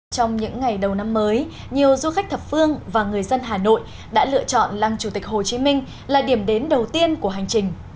trong những ngày đầu năm mới nhiều du khách thập phương và người dân hà nội đã lựa chọn lăng chủ tịch hồ chí minh là điểm đến đầu tiên của hành trình